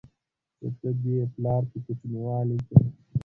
چې ته دې پلار په کوچينوالي کې